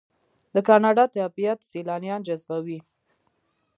د کاناډا طبیعت سیلانیان جذبوي.